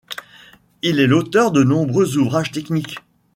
Il est l'auteur de nombreux ouvrages techniques.